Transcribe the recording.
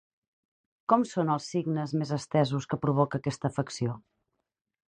Com són els signes més estesos que provoca aquesta afecció?